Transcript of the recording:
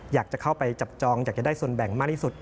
อยากจะเข้าไปจับจองอยากจะได้ส่วนแบ่งมากที่สุด